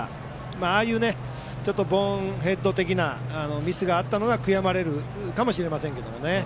ああいうボーンヘッド的なミスがあったのが悔やまれるかもしれませんけども。